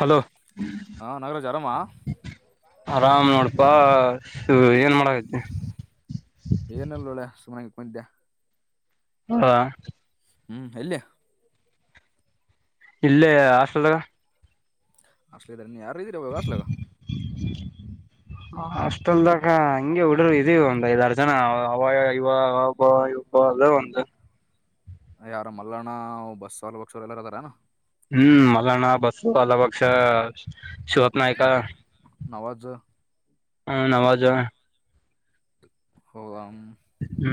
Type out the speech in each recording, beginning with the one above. Hello ಹಾ ನಾಗರಾಜ್ ಆರಾಮ ಆರಾಮ್ ನೋಡ್ ಬಾ ಏನ್ ಮಾಡಕತಿ ಏನಲ್ಲ ಒಳ ಸುಮನೆ ಮಂದ್ಯಾ ಹಾ ಹ್ಮ್ ಎಲ್ಲಿಯ ಇಲ್ಲೇ ಹಸ್ಟಲ್ಾಗ ಅಷ್ಟಲಧ ಯಾರು ಇದ್ದೀರ ಬ ಅಷ್ಟಲಗ ಅಷ್ಟ ಅಲ್ದಕ ಹಂಗಗೆ ಹುಡರು ಇದೀ ಒಂದ್ ಐದ್ಾರು ಜನ ಅದ ಒಂದು ಯಾರ ಮಲ್ಲಣ್ಣ ಬಸ್ ಸಲ್ ಬಕ್ಷವರು ಎಲ್ಲಾರದಾರನ ಹ್ಮ್ ಮಲ್ಲ ನಾ ಬಸಲು ಅಲ್ಲ ಪಕ್ಷ ನವಾಜ ಹ್ಮ ನವಜಾವ ಹ ಆ ಹ್ಮ್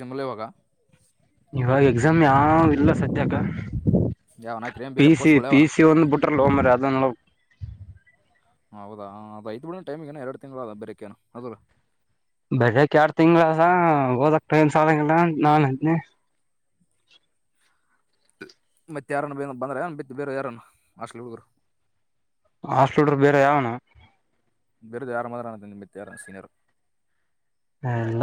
ಜಮ್ಮವಾಗ ಇವಾಗ ಎಕ್ಸಾಮ್ ಯಾವ ಇಲ್ಲ ಸದಕ್ಕ ಯಾವ ನಾಲ್ಕು ಏನು ಬೇರೆ ಪೋಸ್ಟ್ಗಳು ಯಾವನ [unintelligible] ಹೌದಾ ಅದ ಬಿಡಡಿ ಟೈಮ್ ಏನು ಎರಡು ತಿಂಗಳು ಅದ ಬರೇಕೇಏನು ಅದಲ್ಲ ಬರಕ್ ಯಾರ್ ತಿಂಗಳಸ ಹಓದಕ್ ನ್ ಸಾಲಂಗಲ್ಲ ನಾನ್ ಹದ್ನನೆ ಮತ್ತೆ ಯಾರನ್ನ ಬೇ ಬಂದ್ರಏನ್ ಮತ್ತ ಬೇರೆ ಯಾರನ್ನ ಅಷ್ಟಲಿ ಹಳಗರು ಹಾಸ್ಟಡರು ಬೇರೆ ಯಾವನ ಬರೆದು ಯಾರು ಮಾತ್ರ ನ ನಿ ಮತ್ತ ಯಾರು ಸೀನಿಯರ್ ಎಲ್ಲ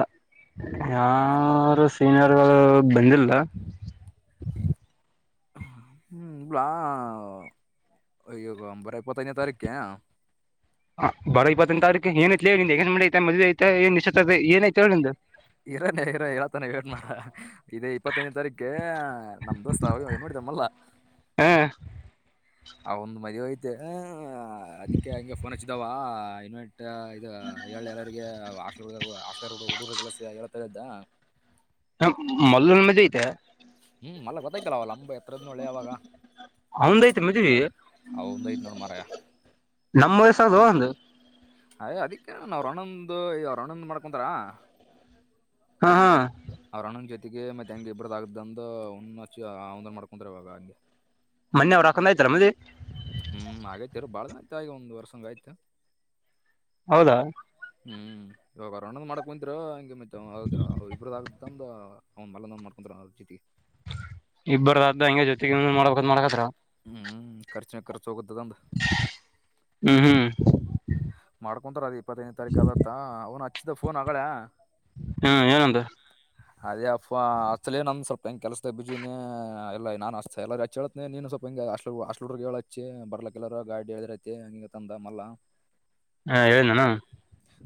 ಯಾರು ಸೀನಿಯರ್ಗಳು ಬಂದಿಲ್ಲ [unintelligible] ಹ್ಮ್ ಇಲಾ ಇ್ಯ ಬರ ಇಪ್ಪತ್ತನೇ ತಾರೀಕ ಹಾ ಬರೋ ಇಪ್ಪತ್ತನ ತಾರೀಕ ಏನಐತೆ ಹೇಳ ನಿ ಎಗಿ ಐತೆ ಮದುವೆ ಐತ ಏ ನಿಶ್ ಏ ಐತೆ ಹೇಳ ನಿಂದು ಇರಾನೇ ಇರ ಹೇಳಾತಾನೆ ವೇಟ್ ಮಾಡ ಇದೇ ಇಪ್ಪತ್ತನ ತಾರೀಕ ನಮ್ದ ದೋಸ್ತಾವ ನೋಡ ಲ್ಲ ಹ್ಮ ಆ ಒಂದು ಮದುವೆ ಐತೆ ಅದಕ್ಕೆ ಹಂಗೆ ಫೋನ್ ಹಚ್ಚಿದಾವ ಇನ್ವೆ ಇ ಎ ಎಲ್ಲರಿಗೆ ಆಲ ಹ ಹರ್ ಹ ಹುಡಸ ಹಳ್ತ ಇದ್ದ ಹ ಮಲ್ಲಲ್ ಮಜೆ ಐತೆ ಹ್ಮ್ ಅಲ್ಲೆ ಗೊತ್ತಾಗ್ಲ್ ಅವ ಲಂಬ ಅಳೆವಾಗ ಅವಂದ ಐತೆ ಮದ್ವಿ ಅವಂದಐನೋಳ ಮೆಯ ನಮ್ಮ್ ವಯಸ್ಸದು ಒಂದು ಅಯ್ ಅದಿಕ್ಕೆ ನನ್ ಅವ್ರಣೊಂದು ಅವ್ರನ್ನೊಂದ್ ಮಾಡ್ಕೊಂತಾರ ಹಾ ಹಾ ಅವ್ರ ಅಣ್ಣನ್ ಜೊತೆಗೆ ಮತ್ತೆ ಹೆಂಗೆ ಇಬ್ಬರದದು ಆಗ್ದಂದ ಒಚ್ಚು ಅವಂದ ಮಾಡ್ಕೊಂತಾರ ಇವಾಗ ಹಂಗೆ ಮನೆವ್ರು ಹಾಕೊಂಡ್ ಆಐತಾರ ಮದೆ ಹ್ಮ್ ಆತಿರ ಭಾಳ ಜನ ಆಯ್ತ ಆಗ ಒಂದ್ ವರ್ಷ ಹಂಗ ಆಯ್ತು ಹೌದಾ ಹ್ಮ್ ಇವಾಗಣಂದ್ ಮಾಡ್ಕ ಕುಂತರ ಹಂಗೆ ಮ ಇಬ್ರದ ತಂದ ಅವ್ ಮಲಂದ್ ಮಾಡ್ಕೊಂತ್ರ ಜಿತಿ ಇಬ್ಬರದಾದ್ದ ಹಂಗ ಜೊತೆಗ ಮಾಡ್ಬೇಕ ಮಾಡಕತ್ರ ಹ್ಮ್ ರ್ಚನೆ ರ್ಚ ಹೋಗದದ ಅಂತ ಹ್ಮ್ ಹ್ಮ್ ಮಾಡ್ಕೊಂತಾರ ಅದ್ ಇಪ್ಪತ್ತದದು ತಾರೀಕು ಅದತ್ತ ಅವ್ನು ಹಚ್ಚಿದ ಫೋನ್ ಆಗಳ ಹ್ಮ ಯಏರಂತ ಅದೇ ಅಪ್ಪಾ ಅಷ್ಟಲ ನಂದ ಸ್ವಲ್ಪ ಹೆಂಗ ಕೆಲ್ಸ್ದ ಬಿಜಿನ ಎಲ್ಲಾ ನಾನನ್ ಅಸ್ತ ಎಲ್ಲಚ್ಚೇಳ್ತನೆ ನೀನುಲ್ ಹಿಂ ಅಷ್ಟ ಅಗೆ ಹೇಳಚ್ಚಿ ಬರ್ಲಕ್ಕೆ ಎಲ್ಲಾರ ಗಾಡಿ ಹೇಳದರೈತಿ ಹಿ ತಂದ ಮಲ್ಲ ಹಾ ಹೇಳನಾನು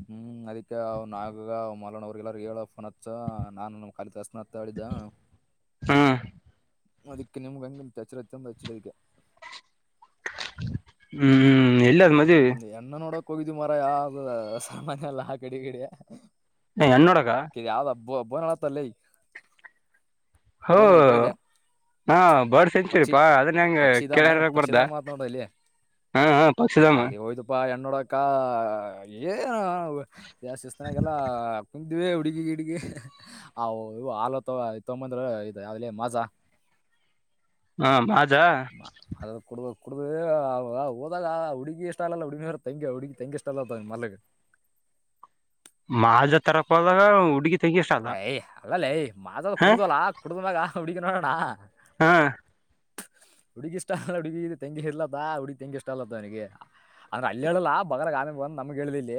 ಹ್ಮ್ ಅದಕ್ಕೆ ಅವ್ ನಾಗ ಮಲನ ಅವ್ರಿಗೆಲ್ಲಾರ ಹೇಳ ಫೋನ್ತ್ಸ ನಾನು ನಮ್ ಕಾಲಿದಾಸ್ನ ತಾಳಿದಾ ಹ್ಮ್ ಅದಕ್ಕೆ ನಿಮ್ಗೆ ಹಂಗಚ್ಚರತ್ತಂದು ಹಚ್ಚಿದೆ ಅದಕ್ಕೆ ಹ್ಮ್ ಎಲ್ಲದ್ ಮದ್ ಕೊಗಿದ್ದು ಮಾರ ಯ ಸಾಮನ್ಯಲ್ಲಾ ಕಡಿ ಕಡಿ ಎನ್ೋಡಕ ಬೋ ಬೋನಾಳ ಹತ್ತಲ್ಲ ಹೋ ಬೋನಾಳ ಕೇಳಿದೆ ಹಾ ಬರ್ಡ್ ಪಕ್ಷಿ ಸೆಂಚುರಿಪಾ ಅದನ್ನ ಹೆಂಗ ಪಕ್ಷಿಧಾಮ ಏನು ಕೇಳಾರಕ್ ಬರಾ ಪಕ್ಷಿಧಾಮ ಆತ್ ನೋಡು ಅಲ್ಲಿ ಹ ಅಲ್ಲಿ ಹಯ್ದಪಾ ಎನ್ನೋಡ ಕಾ ಏ ಜಸ್ ಇಸ್ನ ಕಲ್ಲ ಹ್ವಿ ಹುಡುಗಿ ಗಿಡ್ಗಿ ಆ ಹಲ ತೊಂಬಂದ್ರ ಇ ಯಲೇ ಮಜಾ [inaudible] ಹಾ ಹೋದ ಕೊಡ ಹದಾಗ ಹಡು ಇಷ್ಟಾಾಲಲ್ಲ ಅಡಿವರ ತಂಗ ಹಡುಕಿ ತಂಗಗೆ ಇಷ್ಟಲ್ಲತಾವ ಮಲಗ ಮಾಜ ತರಕದಾಗ ಯ ಅಲ್ಲಲ್ಲಯ ಮಾಸದ ಹ ಕುಡದಲಾ ಕುಡದಮಾಗಾ ಕುಡಿಕಣಣಣಾ ಹಾ [inaudible] ಹುಗಿ ಇಷ್ಟ ಅಲ್ಲ ಹುಗ ಇ ತಂಗಿ ಇಲತ್ತ ಹುಗಿ ತೆಂಗಿ ಇಷ್ಟ ಅಲ್ಲತ್ತ ಅವನಿಗೆ ಅಂದ್ರೆ ಅಲ್ಲಿ ಹೇಳಲ್ಲ ಬಗ ಆಮ ಬಂದ್ ನಮ್ಗೆ ಹೇಳುದಿಲ್ಲ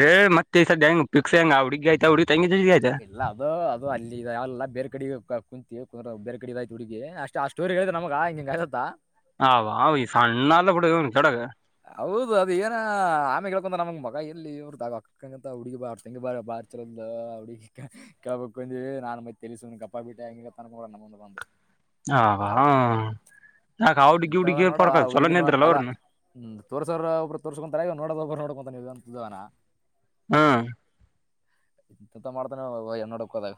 ಏ ಮತ್ತೆ ಈ ಸದ ಹೆಂಗ್ ಪಿಕ್ಸ್ ಹೆಂಗ ಹುಡಗಿ ಆಯತ ಹಡ ಇಲ್ಲ ಅದು ಅದು ಅಲ್ಲಿ ಯಾವಲ್ಲ ಬೇರೆ ಕಡೆ ಕುಂತಿ ಕುಂದ್ರ ಬೇರೆ ಕಡೆ ಇದ ಆಯ್ ಹುಡುಗಿ ಅಷ್ಟ ಆ ಸ್ಟೋರಿ ಹೇಳಿದ್ ನಮಗ ಹಿಂಗಯಸತ್ತತ್ ಹ ಅವ ಈ ಸಣ್ಣ ಎಲ್ಲ ಬಿಡ ಕೆಡಗ ಹೌದು ಅದ ಏನ ಆಮೆ ಕೇಳ್ಕೊಂತ ನಮಗೆ ಮಗ ಎಲ್ಲಿ ಅವ್ರ ಅಕ್ಕಂಗ ಅಂತ ಹುಗಿ ಬಾ ಅವ ತೆಂಗಿ ಬಾ ಬಾ ಅ ಕಪ ನಾನುಳ ಕಪ್ಪಾ ಬಿಟ್ಟ ಎ ಕೂಡ ನಮ್ಮಂದ ಬ ಹ ಹ್ಮ ಎಂತಥದ ನೋಡವ ಹುಡುಗಿನ ಅಲ್ಲ ಅವ್ರನ್ನ ಹ್ಮ ತೋರ್ಸೋರ ಒಬ್ಬರು ತೋರ್ಸಕೊಂತರ ನೋಡೋ ಒಬ್ಬ ನೋಡ್ಕೊಂತ ನೀವಂತ ಹ್ಮ್ ಇ ಮಾಡ್ತಾನ ನೋಡ ದ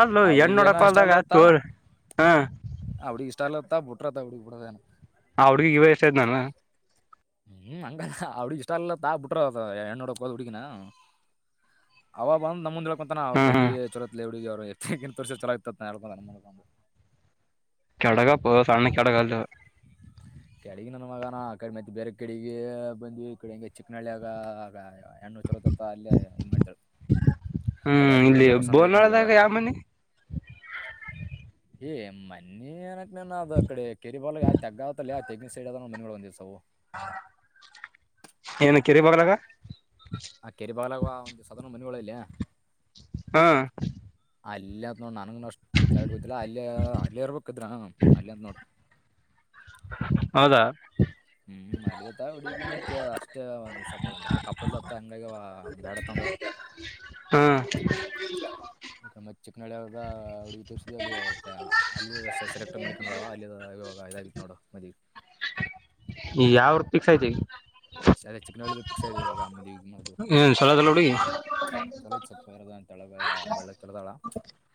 ಅಲ್ಲೋ ಹೆಣ್ ಆಡಿನ ನೋಡಕ್ ಹೋದಾಗ ಇಷ್ಟಲ್ಲತ್ತ ತೋಳ್ ಹಾ ಅವಡಿ ಇಷ್ಟಲ್ಲ ಾ [inaudible] ಬಿಟ್ರತ ಬಿ ಬಿೂು ಆ ಹುಡ್ಗಿ ಇವ ಎಷ್ಟಾಯ್ ನಾನ ಹ್ಮ್ ಅಂಗ ಅಡಿಷ್ಟಷ್ಟಾಲ್ಲ ತಾ ಬಿುಟನ್ನೋಡ ಪೋದ ಪಡಿಕನ ಅವ ಬಂದ ಸಮುದ್ರ ಅವ್ರ ಹ್ಮ್ ಹ್ಮ್ ಹೆಂಗಗೆ ಚಲೋ ಹಗ ಅವ್ರು ಎ ತೋರ್ಸ ಚಲ ಆ ಇತತ್ ಹೇಳ್ ಅ ಬಂದ್ ಕೆಡಗ ಪ ಸಣ್ಣ ಕಡಗ ಅಲ್ಲ [inaudible] ಕೆಡೆಗ ನನ್ ಮಗನ ಆ ಕಡೆ ಮತ್ತೆ ಬೇರೆ ಕಡೆಗೆ ಬಂದ್ವಿ ಕಡೆಂಗ ಚಿಕ್ಕನಳ್ಳಿ ಆಗ ಆಗ ಹೆಣ್ಣೂರು ಚಲೋತ್ತತ್ತ ಅಲ್ಲೇ ಏನ್ ಮಾಡ್ತಾಳೆ ಹ್ಮ್ ಇಲ್ಲಿ ಬೋಲ್ವಾಳದಾಗ ಯಾವ ಮನೆ [inaudible] ಏ ಮಿ ಏನಕ್ ನನ್ ಅದು ಅ ಕಡೆ ಕೆರಿ ಬಾಲ್ ಯಾವ ತೆಗದತ ಅಲ್ಲ ಯಾ ತೆಗಿನ ಸೈಡ್ ಅದ ಮಿ ಒಂದ್ಸಾವವು ಏನು ಕೆರಿ ಬಗ್ಲಾಗ ಆ ಕೆರಿ ಬಾಗಲಾಗ ಒಂದವ ಸಾಧಾರಣ ಮನೆಗಳ ಇಲ್ಲಯ ಹಾ ಅಲ್ಲ ಅಂತ ನೋಡ್ ನನ್ ಅಷ್ಟ ಇಲ ಇಡ್ಬತಿಲ್ಲಾ ಅಲ್ಲಿ ಅಲ್ಲಿ ಇರ್ಬೇಕಿದ್ರ ಅಲ್ಲಿ ಅತ್ ನೋಡ್ [inaudible] ಹೌದಾ ಹ್ಮ್ ಮಲ್ಲಿದತ್ತ ಹುಡುಗಿ ಮತ್ತೆ ಅಷ್ಟೇ ಯಾ ಕಪ್ಪತ್ತ್ತ ಹಂಗ ದಡ ಹ್ಮ್ [inaudible] ನಳೆಗ ಹುಡುಗಿ ತೋರಿಸ್ದ ಅಲ್ಲಿ ಅಲ್ಲಿ ಸೆಲೆಕ್ಟ್ ಮಾಡ್ಕೊಂಡದಾವ ಅಲ್ಲಿ ಇವಾಗ ವಾಯದ ನೋಡ ಮದ ಯಾವ ಪಿಕ್ಸ್ ಐತಿ ಈಗ ಸದ ಚಿಕ್ಕನಳ್ಳಿ ಪಿಕ್ಸ್ ಇದೆ ಇವಾಗಮ್ಮಿಗೆ ಹಏ ಚಲೋದಲ್ಲ ಹುಡುಗಿ ಬರದ ಅಂತಳ ಬೆಳ್ಳ ತಳದಾಳ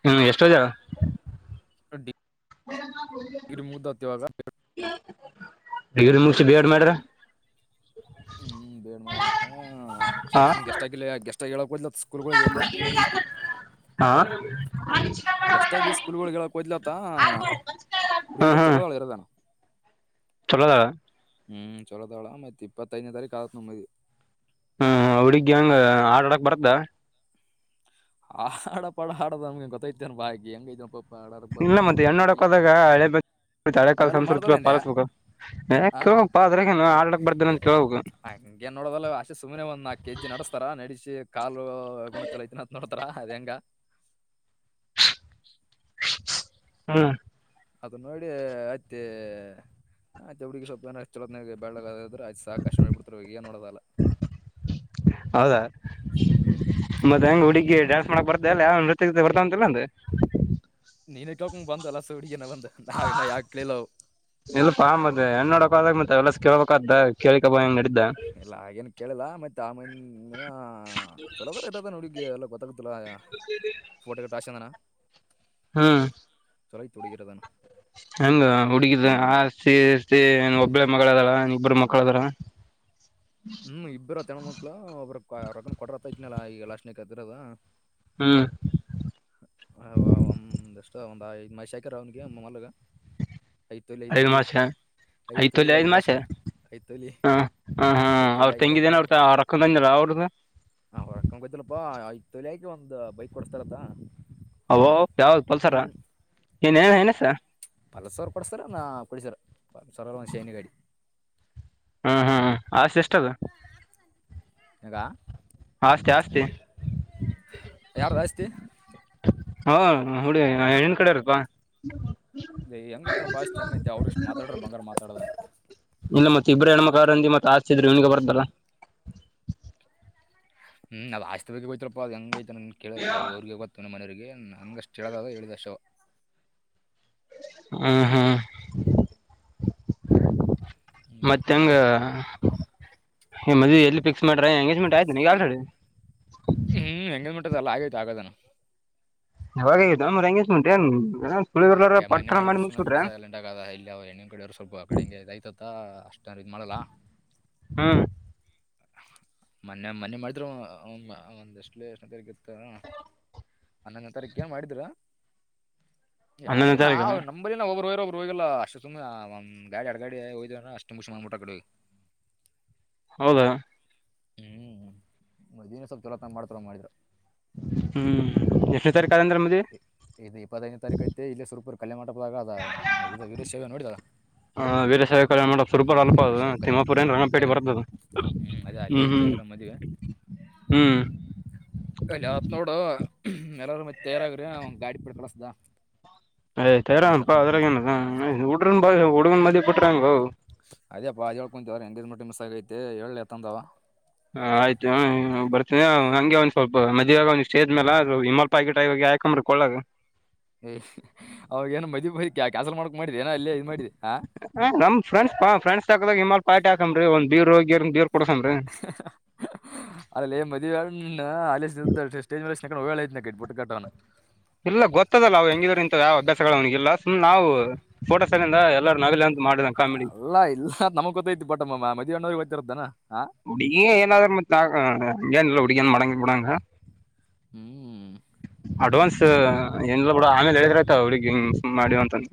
ಹ್ಮ್ ಎಷ್ಟ ಓದಿತಾಳ ಕಟ್ಟಿ. ಗ್ರರಿ ಮುದ ಹತ್ತಿವಾದ [unintelligible] [inaudible] ಡಿಗ್ರಿ ಮುಗಸಿ ಬಿ ಎಡ್ ಮಾಡ್ರ? ಹು ಹು ಬೇಡ್ಮ ಹೇಳಕ್ಕ ಸ್ಟಚಮಿನ್ ಗೆಷ್ಟಕ ಆಗಿಲ್ಲ ಗೆಷ್ಟ ಆಗೆ ಹೇಳಕ ಬಂದ್ಲು [inaudible] ಆ [unintelligible] ಗೆಸ್ಟ್ ಆಗಿ ಸ್ಕೂಲ್ಗಳಗೆ ಹೇಳಕಾ ಹೊಂಗಿದಲಂತ್ತ ಹುಡುಗಿರ ಚಲೋಅಳ ಇರುದ ಚಲೋ ಅದಾಳ. ಹು ಚೋಲೋಅದಾಳ ಮತ್ತ ಇಪ್ಪತ್ತೈದನೇ ತಾರೀಕ ಆಗ್ತದ ಮದುವಿ. ಹ ಹುಡುಗಿ ಹೆಂಗ ಹಾಡ ಹಡಕ್ಕ ಬರ್ತ. ಹಾಡ ಪಾ ಹಾಡ ನಮಗೆ ಗೊತ್ತೈತೆನ್ ಬಾಯ್ ಅಕಿ ಹೆಂಗೈತಅಪ್ಪೂ ಇಲ್ಲ ಮತ್ತೆ ಹೆಣ್ಣ ನೋಡಕ ಹೋದಾಗ ಹಳೆ ಬ ಕುಂತ ಹಳೆ ಕಾಲ ಅವೆಲ್ಲ ಮಾಡ್ತಾರ ಸಂಸ್ಕೃತಿ ಹಿಂದೆ ಪಾಲಿಸಸ್ಬೇಕು ಯಾಕ ಆ ಕೇಳೋಣಪ್ಪ ಅದ್ರಗ ಏನೋ ಹಾಡ ಹಾಡಕ್ಕ ಬರುತ್ತೇನ ಅಂತ ಕೇಳಬೇಕು. ಹಂಗ ಏನ್ ನೋಡೋದಲ್ಲ ಅವ್ವ ಅಕಿ ಸುಮ್ನ ನಾಲ್ಕ ಕೆಜಿ ನಡಸ್ತಾರ ನಡಸಿ ಓ ಗುಣ ಚಲೋ ಐತನ ಅಂತ ನೋಡ್ತಾರ ಅದ್ ಹೆಂಗ? ಹು [inaudible] ಅದ ನೋಡಿ ಅತ್ತಿ ಅದೇ ಹುಡ್ಗಿ ಸ್ವಲ್ಪ ಅನಾ ಚಲೋತ್ನಾಗ ಬೆಳಗ ಸಾಕ ಅಸ್ಟ್ ನೋಡಿ ಬಿಡ್ತಾರ ಏನ್ ನೋಡದ ಆಗಲ್ಲ. ಮತ್ತ ಹೆಂಗ ಹುಡುಗಿ ಡ್ಯಾನ್ಸ್ ಮಾಡಕ್ ಬರ್ತ ಅಲ್ಲ ಯಾವ ನೃತ್ಯ ಗಿತ್ಯ ಬರ್ತವಾ ಅಂತ ಇಲ್ಲಂತ? [unintelligible] ಹಾ ಹಾ ಯಾಕೆ ಕೇಳಿಲ್ಲ ಅವು. ಇಲ್ಲಪಾ ಮತ್ತ ಹೆಣ್ಣು ನೋಡಕ ಹೋದಾಗ ಮತ್ತ ಎಲ್ಲ ಕೇಳ್ಬೇಕ ಅಂತ ಕೇಳಿಕೊಬಂದಿನ ನಡಿ ಇಲ್ಲ ಹಾಗೇನ್ ಕೇಳಿಲ್ಲ ಮತ್ತ ಆಮನ ಚಲೋದ ಕೆಟ್ಟಿದ ನೋಡಿದಿ ಎಲ್ಲ ಗೊತ್ತ? ಚಲೋ ಆಗ್ಯಾವ ಫೋಟೋ ಗಿಟೂ ತಗಸ್ಕೊಂಡನ. ಹ ಹೈಟ್ ಹುಡುಗೀರ ಅದಾನ್ ಹೆಂಗ ಹುಡುಗಿದ ಆಸ್ತಿ? ಸ್ತಿ ಒಬ್ಬಳೆ ಮಗಳ ಅದಾಳ ಇಬ್ಬರ ಮಕ್ಕಳ ಅದರ ಹು ಇಬ್ಬರು ಅತ್ತೆಮ್ಮ ಮಕ್ಕಳು ಒಬ್ಬರ ರೊಕ ಕೊಡ್ರತ ಇದ್ದನಲ್ಲ ಈಗ ಲಾಸ್ಟೆಕನ ಅದರ ಅದ ಹ್ಮ್ ಹೂ ಅವಗೊಂದಸ್ಟ್ ಒಂದ ಐದ ಮಾಸೈಕರ ಅವನಿಗೆ ಮೊಲ್ಲಗ ಐದ ಮಾಸೈಕ ಐದ ತೊಲಿ ತೋಲಿ ಐದ ಐದ್ ಮಾಡಸ ಮೈಸಲ್ಲ ಐದ್ ತೊಲಿ ಹ ಹ ಹ ಹ ಐದ್ ಅವ್ರ ತೊಲಿ ಆಗ್ಯಾರತ್ತ ತಂಗಿದೇನ ಅವ್ರ ಅಕ್ಕದಂದಲ್ಲ ಅವರದ ಲೆಟ್ ಒಂದ್ ಬೈಕ್ ಕೊಡ್ಸ್ತಾರಂತ? ಅವ ಯಾವದ ಪಲ್ಸರ? ಏನೇನ ಏನಸ ಪಲ್ಸರ್ ಕೊಡ್ಸಾರ ಏನ್ ಬೈಜರ್ ಪಲ್ಸರ್ ಒಂದ ಶೈನಿ ಗಾಡಿ [inaudible] ಹ ಹಾ ಸಿಸ್ಟರ್? ಈಗ? ಆಸ್ತಿ ಆಸ್ತಿ ಯಾರ್ದ ಆಸ್ತಿ ಹಾ ಹುಡುಗಿ ಹೆಣ್ಣಿನ ಕಡೆವರ ಪ್ಪಾ? ಏ ಹೆಂಗೈತಪ್ಪಾ ಆಸ್ತಿ ಹೆಂಗೈತೆ ಅವ್ರ ಇಷ್ಟ್ ಮಾತಾಡ್ರ ಬಂಗಾರ ಮಾತಾಡ್ದಂಗ ಇಲ್ಲ ಮತ್ತೆ ಇಬ್ಬರು ಹೆಣ್ಮಕ್ಳು ಅದರ ಅಂದಿ ಮತ್ತ ಆಸ್ತಿ ಇದ್ರ ಇವನಿಗೂ ಬರತಲ್ಲ. ಹು ಅದ ಆಸ್ತಿ ಬಗ್ಗೆ ಗೋತ್ತಿಲ್ಪ ಅದ ಹೆಂಗೈಐತಂತ ಕೇಳಿಲ್ಲ ಅವರದ ಅವರಗೆ ಗೊತ್ತು ನಮ್ಮ ಮನಯವರಿಗೆ. ನನ್ಗಷ್ಟು ಹೇಳಗದಾ ಹೇಳಿದ ಶವ ಹೂ ಹು [inaudible] ಹ್ಮ್ ಮತ್ತ ಹೆಂಗ ಅದಕ್ಕೆ ನಿನ್ನ ಮದ್ವಿ ಎಲ್ಲಿ ಫಿಕ್ಸ್ ಮಾಡರಾ ಎಂಗೇಜ್ಮೆಂಟ್. ಈಗ ಆಯ್ತುನ ಆಲ್ರೆಡಿ. [inaudible] ಇಲ್ಲ ಆಗೈತ ಆಗೋದನ ಯವಾಗ ಆಗೀತೂ ಮಾರಾಯ ಎಂಗೇಜ್ಮೆಂಟ್ ಎನ್ ಸುಳಿವ ಇಲ್ಲರದಂಗ ಈಗ ಮನೆ ಮಾಡಿಟ್ಟರು ಸುಮ್ನೆ ಕಟ್ಟಿಸಿ ಸೈಲೆಂಟ್ ಆಗದಾ ಎಲ್ಲಿ ಅವ್ ಹೆಣ್ಣಿನ ಕಡೆ ಅವರು ಸ್ವಲ್ಪ ಅಕಡೆ ಹೆಂಗೆ ಇದಯ್ತ ಅಷ್ಟ ಯಾರ ಇದ ಮಾಡಲ್ಲ. ಹು ಮನ್ನೆ ಮನೆ ಮಾಡಿದ್ರು ಒಂದಷ್ಟಲೇ ಗಿಫ್ಟ್ ಹನ್ನೊಂದನೇ ತಾರೀಕ ಮಾಡಿದ್ರ ಯಾರಿಗ್ ಹನ್ನೊಂದನೇ ತಾರೀಕು ನಾವೂ ನಂಬಲ್ಲಿ ಇರೋಬ್ರು ಹೋಗಲ್ಲ ಅಷ್ಟೆ ಸುಮ್ ಗಾಡಿ ಅಡ ಗಾಡಿ ಹೋದ್ ಅಷ್ಟು ಮುಗಸಿ ಮುಟ ಕಡೆಹೂಗಿ. [inaudible] ಹೌದಾ. ಹ್ಮ್ ಮುದನೆ ಸ್ವಲ್ಪ ಚಲೋತನ ಮಾಡ್ತಾರ ಮಾಡಿದ್ರು. ಹ್ಮ್ ಎಷ್ಟೋತ್ ಇ ಇ ಇದು ಇಪ್ಪತೈದನೇ ತಾರೀಕು ಐತೆ ಇಲ್ಲೆ ಸುರಪುರ್ ಕಲ್ಯಾಣಮಂಟಪ. [unintelligible] ಹ ವೀರಶೈವ ಕಲ್ಯಾಣಮಂಟಪ ಸುರಪುರ ಅಲ್ಲಪ್ಪ ಅದು ವೀರಶೈವ ಕಲ್ಯಾಣ ತಿಮ್ಮಾಪುರ ಏನ್ ಹಾಂ ರಣಪೇಟೆ ಬರ್ತದ ಹ್ಮ್ ಹ್ಮ್. ಮದವೆ. ಹ್ಮ್ ಅದ ಯಾವತ್ ನೋಡು ಎಲ್ಲಾರ ಮತ್ತ ತಯರಗ್ರಿ ಗಾಡಿ ಪಡ್ ಕಳಸ್ದ. ತಯರಾಗ್ ಅಪ್ಪಾ ಅದ್ರಗ ಎನ್ ಹುಡ್ರು ಹುಡುಗನ ಮದಿ ಬಿಟ್ಟ ಹೆಂಗೂ. ಅದೇಪ್ಪ ಅ ಹೇಳ್ಕೊಂತವ್ರ ಹೆಂಗಗೆದ್ ಮಟ್ಟೆ ಮಿಸ್ ಆಗೈತೆ ಹೇಳಲತ್ತಂದವ. ಆಯ್ತು ಬರ್ತನ ಹಂಗೆ ಒಂದ್ ಸ್ವಲ್ಪ ಮದ್ಾಗ ಒಂದ್ ಸ್ಟೇದ್ ಮೇಾಲ ಇಮಲ್ ಪಾಯ ಗಿಟಾಗ ಕಕಮ್ರ ಕೊಳ್ಳಗ. ಏ ಅವಾಗ ಏನು ಮದ್ ಮದ ಕೆನ್ಯಾಸಲ್ ಮಾಡಕಕ್ ಮಾಡಿದ್ರಿ ಏೋ ಅಲ್ಲೇ ಇ್ ಮಾಡಿದರಿ. ನಮ ಫ್ರೆಂಡಸ್ ಫ್ರೆಂಡ್ಸ್ ಹಕದಾಗ ನಿಮ್ಮಲ್ ಪಾರ್ಟಿ ಹಾಕಂಬ್ರಿ ಒಂದ ಬೀರ್ ರೋಗಿ ಬೀರ್ ಕುಡ್ಸಂಬ್ರಿ ಅಲ್ಲಲೆ ಮದ್ವೆ ಎಣ್ಣ [unintelligible] ಸ್ಟೇಜ್ ಮ್ಯಾಲ್. ವೇಳೆ ಐತನ ಇಟ್ಬ ಬಿಟ್ಟು ಕಟ್ಟಣ. ಇಲ್ಲ ಗೊತ್ತದಲ್ಲಾವು ಹೆಂಗಿದ್ರ ಇಂತ ಯಾವ್ ಅಭ್ಯಾಸಗಳು ಅವನಿಗಿಲ್ಲ ಸುಮ್ ನಾವು ಫೋಟೋಸಿಂದ ಎಲ್ಲಾರರು ನಗಲಿ ಅಂತ ಮಾಡಿದಂ. ಅಲ್ಲ ಇಲ್ಲ ನಮ್ ಗೊತ್ತೈತಿತ್ತು ಬಟಮ್ಮ ಮದವಣ್ಣವರಿಗ್ಗೆ ಗತ್ತರದನ್. ಹಡಿಗಿ ಏನಾದರ ಮತ್ತ ಅನ್ಲ ಹಡಿ ಮಡಂಗ ಬಿಡಾಂಗ. ಹ್ಮ್ ಅಡ್ವಾನ್ಸ್ ಏನ್ಲ್ಲ ಬಿಡ ಆಮೇಲೆ ಹೇಳಿದ್ರತ್. ಅವ್ರಿಗೆ ಹಿಂಗ ಮಾಡವಂತಂದ.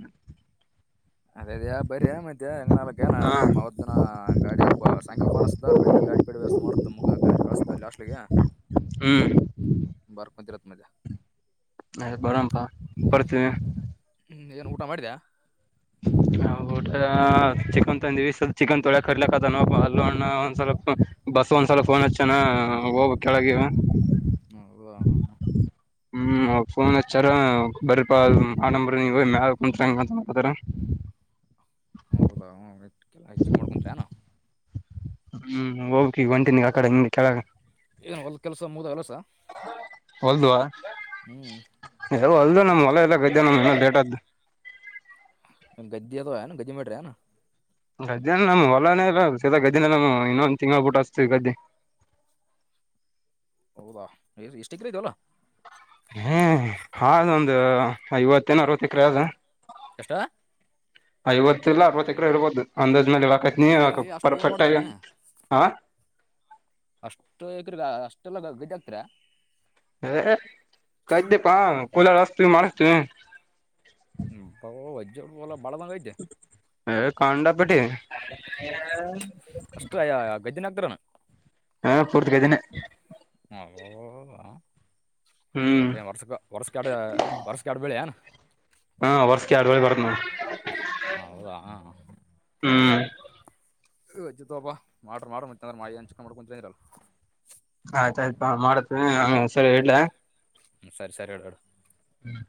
ಅದೇ ಅದೇ ಬರ್ರೀ ಮತ್ತೆ ಹೆಂಗನಕನ ಹಾ ನೋಡ ಅವದ್ದನ ಗಾಡಿಯ ಸಾಯಂಕಲ್ ಫೋನ್ ಬೆಳಿಗ್ಗೆ ಗಾಡಿಪೇಡೆ ವ್ಯವಸ್ಥ ಮಾಡ ಮುಗ ಕತಾಷ್ಟಟ್ಿಗೆ ಹ್ಮ್ ಬಾರಪ್ಪ ಮದ. ಅ ಬರಪ್ಪಾ ಬರ್ತೀವಿ. ಹ್ಮ್ ಏನ್ ಊಟ ಮಾಡ್ಯ. ಊಟ ಚಿಕನ್ ತಂದಿವವಿ ಸ್ವಲ್ ಚಿಕನ್ ತೊಳಕ್ ಕಟ್ಲಕ್ದಾನ ಹಲ್ಲುಣ್ಣ ಒಂದ್ ಸ್ವಲ್ಪ ಬಸ್ ಒಂದ್ಸಲ ಫೋನ್ ಹಚ್ಚನಾ ಹೋಗ ಕೆಳಗಿಗ. ಹ್ಮ್, ಹ್ಮ್ ಅವ ಫೋನ್ ಹಚ್ಚಾರ ಬರಪ ಆಡಂಬ್ರ ನೀವ ಮ್ಯ ಕುಂತ್ಂಗಂತ ಮಾಡತಾರ. ಹೌದಾಲ್ಲ ಹೆಚ್ಚುಕ ಮಾಡ್ಕಂತ್ ಅನ. ಹ್ಮ್ ಹೋಗಿ ಈಗ ಒಂಟಿನಗ ಆಕಡೆ ಹಂಗಗೆ ಕೆಳಗ. ಏನ್ ಒಲ್ ಕೆಲ್ಸ ಮುದ ಎಲ್ಲಸ. ಹೊಲ್ದುವ. ಹ್ಞೂ ಹವು ಅಲ್ದು ನಮ್ ಮಲ ಎಲ್ಲ ಇದ ನಮ್ ಬೇಟದ್ದು. ಗದ್ದಿಯದ ಹ ಗದ್ದಿ ಮಡಿರೇನು. ಗದ್ದೆನ ನಮ್ ಹೊಲನಲ್ಲ ಸೀತ ಗದ್ದೆ ನಮ್ ಇನ್ನೊಂದು ತಿಂಗ್ಳಬ ಬಿಟ್ಟ ಅಸ್ತ ಗದ್ದೆ. ಹೌದ ಎಸ್ಟ್ ಎಕ್ರೆ ಅದೀ ಒಲ. ಹ್ಮ್ ಹದು ಒಂದು ಐವತ್ತಿನ ಅರವತ್ತ ಎಕರೆ ಆದ. ಎಷ್ಟವ. ಐವತ್ತ ಇಲ್ಲ ಅರವತ್ತ ಎಕಾ ಇರ್ಬೋದು ಅಂದಾಜ್ ಮೇಲೆ. ಕತ್ ನೀ ಏನ್ಲಿ ಅಷ್ಟು ಏನು ಪರ್ಫೆಕ್ಟ್ಗ ಮಾಡ್ತೀರಿ ಹಾ. ಅಷ್ಟು ಎಕರೆಗ ಅಷ್ಟೆಲ್ಲ ಗದ್ದೆ ಆಕ್ತರ. ಏ ಕಾಡ್ಡಿಪ ಕುಲ್ಲ ರಸ್ತು ಮಾಡಸ್ತನ್. [unintelligible] ಒಲ ಏ ಕಂಡಾಪಟ್ಟಿ. ಅಷ್ಟು ಯ ಗದ್ದೆನಕ್ದ್ರನ ಹಾ ಪೂರ್ತಿಗ್ದಿನ ಹದಾ ಹ್ಮ್ ಏ ವರ್ಷ ವರ್ಷಗಾಡ್ ವರ್ಷಗಾಡ್ಬಳೆ ಹಾ ವರ್ಷಕ್ಕೆ ಆಡುಳಿ ಬರತನ ಹೌದಾ ಹ್ಮ್ ಬಾ ಮಾಡ್ರ ಮಾಡ ಮುಂಂತ ಅಂದ್ರ ಮಾಾಯಿ ಅಂಚ್ಕೊಂಡ ಮಾಡ್ ಕುಂಂತ ಇರಲ್ಲ ಆಯ್ತಾಯಯ್ತು ಮಾಡತ್ವಿ ಆಮೇ ಸರಿ ಇಲ ಹ್ಮ ಸರಿ ಸರಿ ಎಡ ಎಡ ಹ್ಮ